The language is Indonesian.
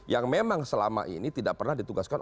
yang memang selama ini tidak pernah ditugaskan